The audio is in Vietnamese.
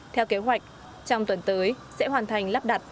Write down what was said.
theo kế hoạch trong tuần tới sẽ hoàn thành lắp đặt